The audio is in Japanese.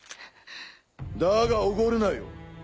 だがおごるなよ。